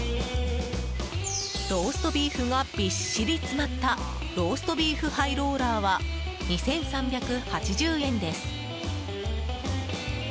ローストビーフがびっしり詰まったローストビーフハイローラーは２３８０円です。